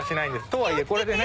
とはいえこれでね